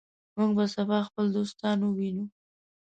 موږ به سبا خپل دوستان ووینو.